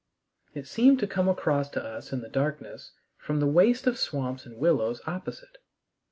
It seemed to come across to us in the darkness from the waste of swamps and willows opposite.